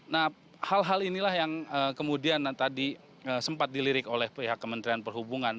nah hal hal inilah yang kemudian tadi sempat dilirik oleh pihak kementerian perhubungan